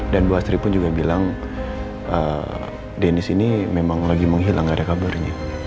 dan bu astri pun juga bilang deniz ini memang lagi menghilang gak ada kabarnya